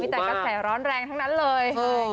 มิกละกับแสร้อร้อนแรงทั้งนั้นเลย